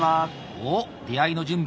おっ出会いの準備。